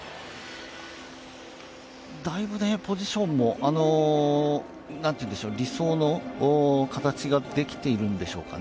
大分ポジションも、理想の形ができているんでしょうかね。